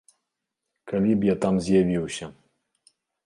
Калі б я там з'явіўся.